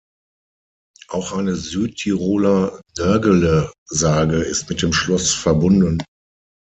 Auch eine Südtiroler Nörggele-Sage ist mit dem Schloss verbunden.